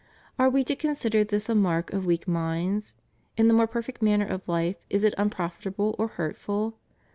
Are we to consider this a mark of weak minds? In the more perfect manner of hfe is it unprofitable or hurtful?